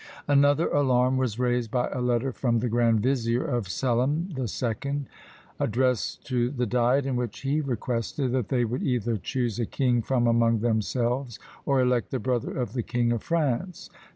Another alarm was raised by a letter from the grand vizier of Selim the Second, addressed to the diet, in which he requested that they would either choose a king from among themselves, or elect the brother of the King of France.